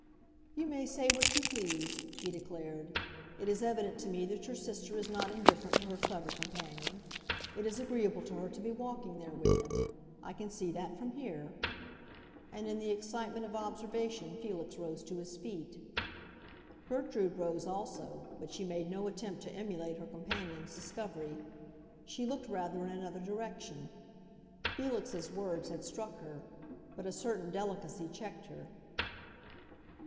"You may say what you please," he declared; "it is evident to me that your sister is not indifferent to her clever companion. It is agreeable to her to be walking there with him. I can see that from here." And in the excitement of observation Felix rose to his feet. Gertrude rose also, but she made no attempt to emulate her companion's discovery; she looked rather in another direction. Felix's words had struck her; but a certain delicacy checked her.